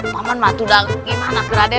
paman mah kalo sudah gimana ke raden